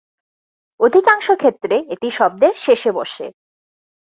অধিকাংশ ক্ষেত্রে এটি শব্দের শেষে বসে।